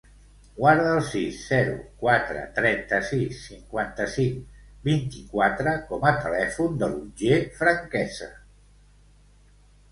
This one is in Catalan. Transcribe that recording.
Guarda el sis, zero, quatre, trenta-sis, cinquanta-cinc, vint-i-quatre com a telèfon de l'Otger Franquesa.